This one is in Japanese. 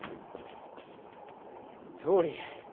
総理。